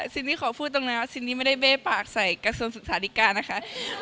ซินนี่ขอพูดตรงนะซินนี่ไม่ได้เบ้ปากใส่กระทรวงศึกษาธิการนะคะ